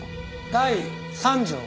「第三条」。